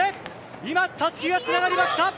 今たすきがつながりました。